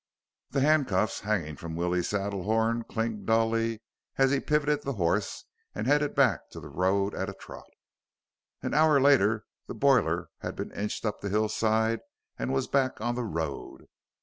The handcuffs hanging from Willie's saddlehorn clinked dully as he pivoted the horse and headed back to the road at a trot. An hour later the boiler had been inched up the hillside and was back on the road.